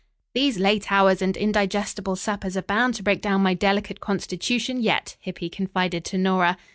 "These late hours and indigestible suppers are bound to break down my delicate constitution yet," Hippy confided to Nora.